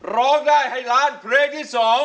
ร้องได้ให้ล้านเพลงที่๒